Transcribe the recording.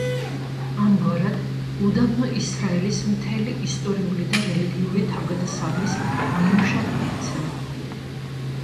ამგვარად, უდაბნო ისრაელის მთელი ისტორიული და რელიგიური თავგადასავლის ნიმუშად იქცევა.